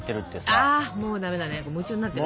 あもうダメだね